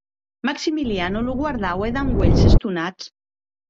Maximiliano lo guardaue damb uelhs estonats.